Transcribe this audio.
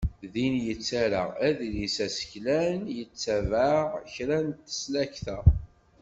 Ddin yettarra aḍris aseklan yettabaɛ kra n tesnakta.